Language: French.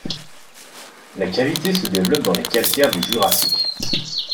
La cavité se développe dans les calcaires du Jurassique.